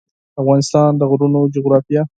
د افغانستان د غرونو جغرافیه